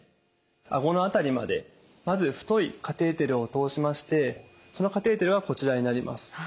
あごの辺りまでまず太いカテーテルを通しましてそのカテーテルはこちらになります。